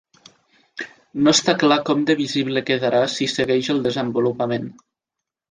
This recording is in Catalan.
No està clar com de visible quedarà si segueix el desenvolupament.